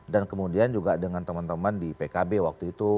kemudian juga dengan teman teman di pkb waktu itu